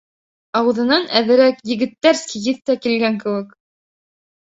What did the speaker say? Ауыҙынан әҙерәк «егеттәрский» еҫ тә килгән кеүек.